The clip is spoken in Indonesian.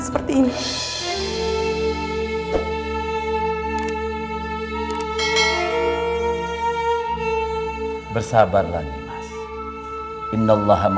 seperti ini bersabarlah